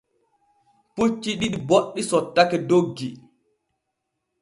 Pucci ɗiɗi boɗɗi sottake doggi.